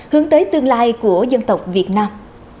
hướng tới tương lai của dân tộc việt nam